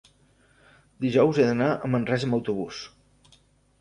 dijous he d'anar a Manresa amb autobús.